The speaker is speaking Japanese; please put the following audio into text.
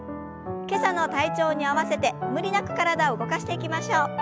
今朝の体調に合わせて無理なく体を動かしていきましょう。